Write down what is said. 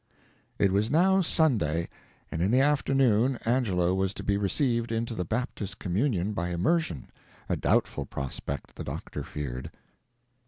[It was now Sunday, and in the afternoon Angelo was to be received into the Baptist communion by immersion a doubtful prospect, the doctor feared.